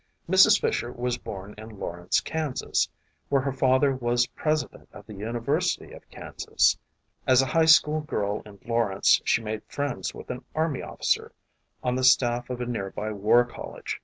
Mrs. Fisher was born in Lawrence, Kansas, where her father was president of the University of Kansas. As a high school girl in Lawrence she made friends with an army officer on the staff of a nearby war col lege.